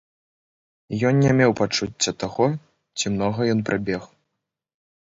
Ён не меў пачуцця таго, ці многа ён прабег.